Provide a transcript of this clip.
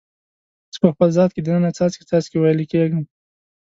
زه په خپل ذات کې د ننه څاڅکي، څاڅکي ویلي کیږم